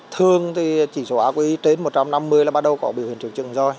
thường thì chỉ số áo quy trên một trăm năm mươi là bắt đầu có biểu hiện triệu chứng rồi